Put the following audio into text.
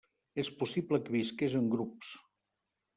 És possible que visqués en grups.